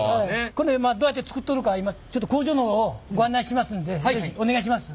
これをどうやって作っとるか工場の方をご案内しますんでお願いします。